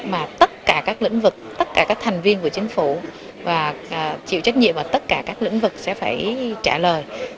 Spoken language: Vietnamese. mà tất cả các lĩnh vực tất cả các thành viên của chính phủ và chịu trách nhiệm ở tất cả các lĩnh vực sẽ phải trả lời